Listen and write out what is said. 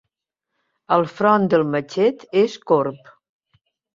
El front del matxet és corb.